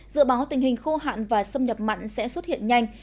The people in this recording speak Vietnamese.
dự báo tình hình khô hạn và xâm nhập mặn sẽ xuất hiện nhanh